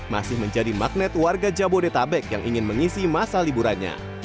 masih menjadi magnet warga jabodetabek yang ingin mengisi masa liburannya